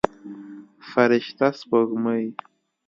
فرشته سپوږمۍ